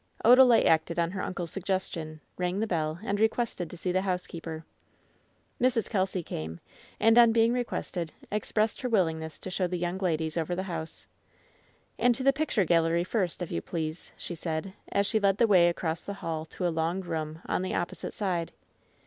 Odalite acted on her uncle's suggestion, rang the bell, and requested to see the ktuMkeeper. 190 LOVE'S BITTEREST CUP Mrs, Kelsy came, and on being requested, expressed her willin^ess to show the young ladies over the house. "And to the picture gallery first, if you please," she said, as she led the way across the hall to a long room on the opposite side.